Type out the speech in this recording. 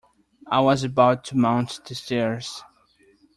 I was about to mount the stairs.